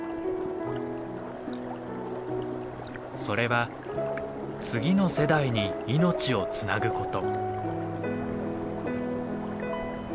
それは次の世代に命をつなぐこと。